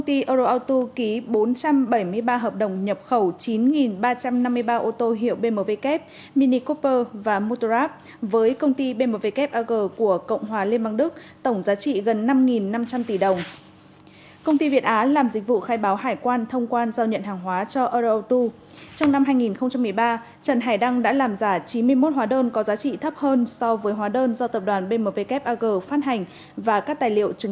thưa quý vị ngày hôm nay ngày sáu tháng sáu phiên tòa sơ thẩm xét xử đường dây buôn lậu chín mươi một ô tô hiệu bmw kép liên quan tới công ty cổ phần ô tô âu châu euro auto bước sang phần tranh luận